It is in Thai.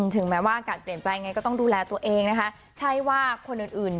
แต่ว่ามีหุ่นที่มันต้องมีกล้ามเนื้อนิดหนึ่ง